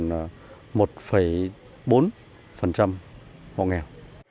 một bốn hộ nghèo